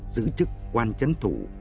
giữ chức quan trấn thủ